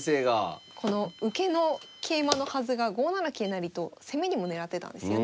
この受けの桂馬のはずが５七桂成と攻めにも狙ってたんですよね。